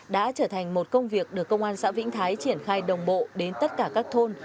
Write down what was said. đã trở thành một công việc được công an xã vĩnh thái triển khai đồng bộ đến tất cả các thôn